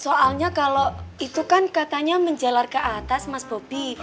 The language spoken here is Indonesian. soalnya kalau itu kan katanya menjalar ke atas mas bobi